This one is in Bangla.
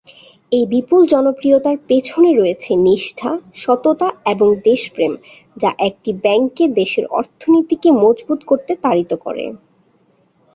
এই বিপুল জনপ্রিয়তার পেছনে রয়েছে নিষ্ঠা, সততা এবং দেশপ্রেম যা একটি ব্যাংককে দেশের অর্থনীতিকে মজবুত করতে তাড়িত করে।